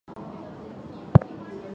上海牌轿车最终走向历史。